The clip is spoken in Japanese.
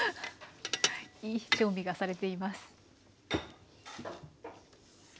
いい調味がされています。